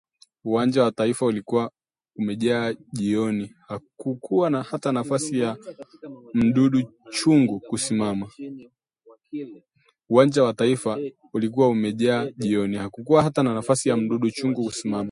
uwanja wa taifa ulikuwa umeja jiooni hakukuwa hata na nafasi ya mdudu chungu kusimama